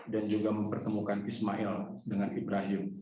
dan juga mempertemukan ismail dengan ibrahim